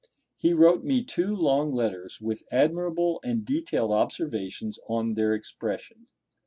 He wrote me two long letters with admirable and detailed observations on their expression.